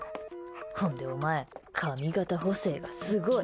ほんで、お前髪形補正がすごい。